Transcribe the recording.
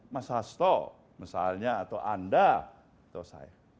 mas hasto misalnya atau anda atau saya